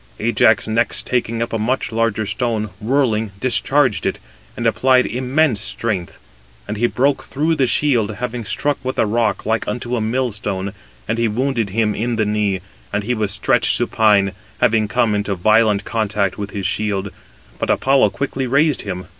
Ajax next taking up a much larger stone, whirling, discharged it, and applied immense strength. And he broke through the shield, having struck with a rock like unto a millstone, and he wounded him in the knee; and he was stretched supine, having come into violent contact with his shield; but Apollo quickly raised him.